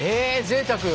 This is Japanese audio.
ぜいたく。